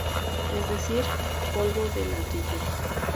Es decir, polvo de ladrillo.